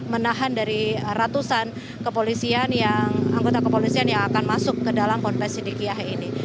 menahan dari ratusan kepolisian yang anggota kepolisian yang akan masuk ke dalam ponpes sidikiah ini